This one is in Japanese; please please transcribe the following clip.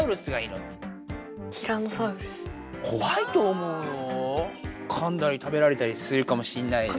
かんだり食べられたりするかもしんないじゃん。